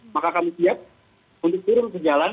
maka kami siap untuk turun ke jalan